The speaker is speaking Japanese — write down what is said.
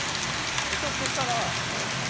ちょっとしたら。